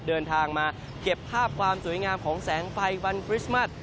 เดินทางมาเก็บภาพความสวยงามของแสงไฟวันคริสต์มัส